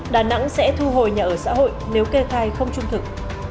đà nẵng sẽ thu hồi nhà ở xã hội nếu kê khai không trung thực